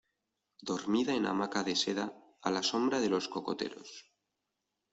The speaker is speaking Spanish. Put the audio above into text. dormida en hamaca de seda, a la sombra de los cocoteros!